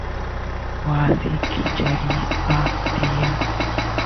wasi kicharispa tiyan